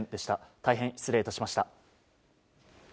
大変失礼しました。